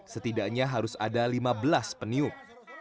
setidaknya harus ada lima belas peniup